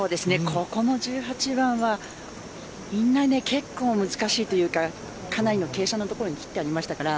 ここの１８番はみんな結構、難しいというかかなりの傾斜の所にきってありましたから。